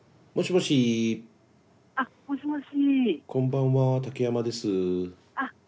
もしもし。